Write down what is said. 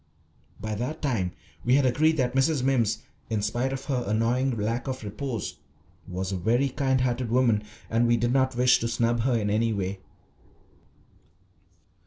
By that time we had agreed that Mrs. Mimms, in spite of her annoying lack of repose, was a very kind hearted woman, and we did not wish to snub her in any way.